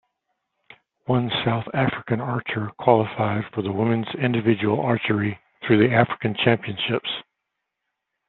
One South African archer qualified for the women's individual archery through the African Championships.